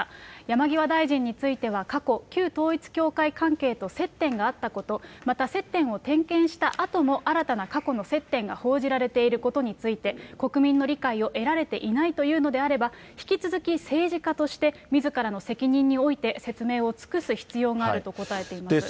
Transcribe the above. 山際大臣については、過去、旧統一教会関係と接点があったこと、また接点を点検したあとも、新たな過去の接点が報じられていることについて、国民の理解を得られていないというのであれば、引き続き政治家として、みずからの責任において説明を尽くす必要があると答えています。